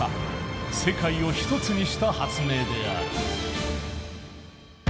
世界を１つにした発明である。